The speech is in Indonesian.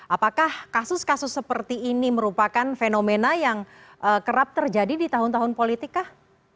apakah kasus kasus seperti ini merupakan fenomena yang kerap terjadi di tahun tahun politik kah